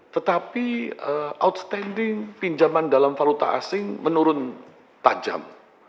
tetapi outstanding pinjaman dalam valuta asing menurun tajam